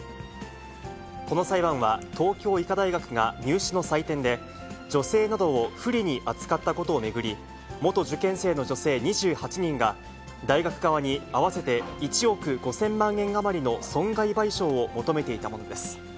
この裁判は、東京医科大学が入試の採点で、女性などを不利に扱ったことを巡り、元受験生の女性２８人が、大学側に合わせて１億５０００万円余りの損害賠償を求めていたものです。